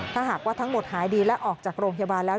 ถ้าหากว่าทั้งหมดหายดีและออกจากโรงพยาบาลแล้ว